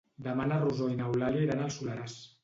Demà na Rosó i n'Eulàlia iran al Soleràs.